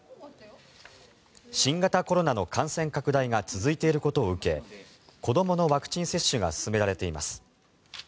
新型コロナの感染拡大が続いていることを受け子どものワクチン接種が進められています。